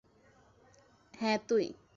হ্যাঁ, তুই!